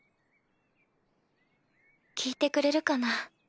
聞いてくれるかな？